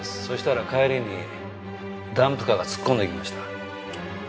そしたら帰りにダンプカーが突っ込んできました。